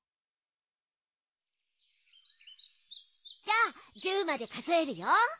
じゃあ１０までかぞえるよ。